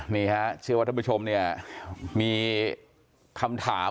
นี่ครับเชื่อว่าท่านผู้ชมมีคำถาม